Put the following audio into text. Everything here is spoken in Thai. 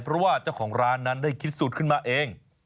เพราะว่าเจ้าของร้านนั้นได้คิดสูตรขึ้นมาเอง